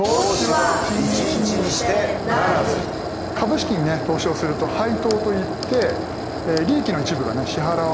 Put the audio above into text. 株式にね投資をすると配当といって利益の一部が支払われるんですよね。